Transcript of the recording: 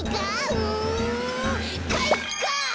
うんかいか！